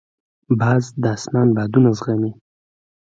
باز د اسمان بادونه زغمي